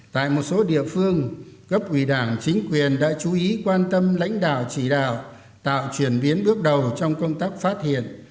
tại một số địa phương cấp ủy đảng chính quyền đã chú ý quan tâm lãnh đạo chỉ đạo tạo chuyển biến bước đầu trong công tác phát hiện